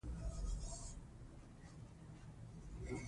فرهنګ د ژبي له کمزورۍ سره کمزورې کېږي.